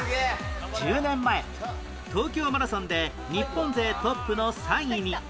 １０年前東京マラソンで日本勢トップの３位に